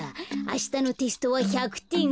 あしたのテストは１００てん。